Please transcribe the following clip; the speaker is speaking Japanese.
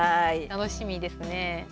楽しみですね。